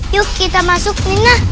yuk kita masuk nina